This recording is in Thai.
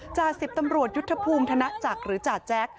จ่าสิบตำรวจยุทธภูมิธนจักรหรือจ่าแจ๊ค